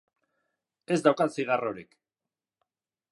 Ez daukat zigarrorik.